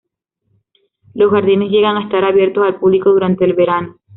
Los jardines llegan a estar abiertos al público durante el verano.